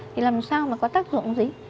thì làm sao mà có tác dụng gì